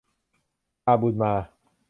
พาบุญมา